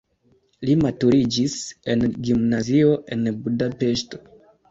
Li maturiĝis en gimnazio en Budapeŝto.